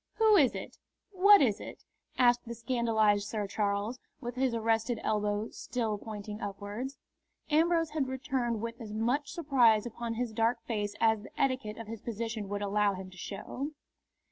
"Who is it? What is it?" asked the scandalised Sir Charles, with his arrested elbow still pointing upwards. Ambrose had returned with as much surprise upon his dark face as the etiquette of his position would allow him to show.